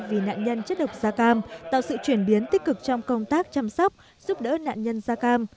vì nạn nhân chất độc da cam tạo sự chuyển biến tích cực trong công tác chăm sóc giúp đỡ nạn nhân da cam